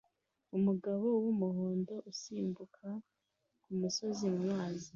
umugabo wumuhondo usimbuka kumusozi mumazi